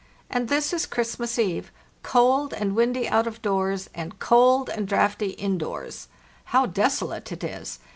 And this 1s Christmas eve— cold and windy out of doors, and cold and draughty in doors. How desolate it is!